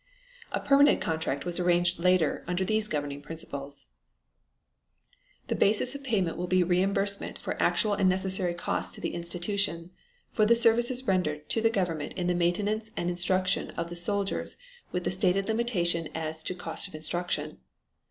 A permanent contract was arranged later under these governing principles: The basis of payment will be reimbursement for actual and necessary costs to the institutions for the services rendered to the government in the maintenance and instruction of the soldiers with the stated limitation as to cost of instruction.